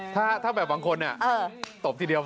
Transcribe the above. ถ้าแบบบางคนตบทีเดียว